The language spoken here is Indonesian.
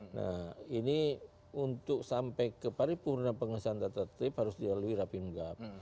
nah ini untuk sampai ke paripurna pengesahan tata tertib harus dilalui rapim gap